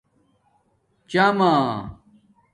چامہ